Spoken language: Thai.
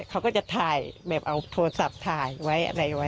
เขาก็จะถ่ายแบบเอาโทรศัพท์ถ่ายไว้